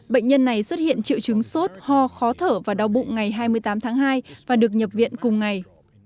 bệnh nhân này xuất hiện triệu chứng sốt ho khó thở và đau bụng ngày hai mươi tám tháng hai và được nhập viện cùng ngày